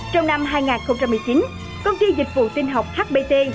trong năm hai nghìn một mươi chín công ty dịch vụ tin học hbt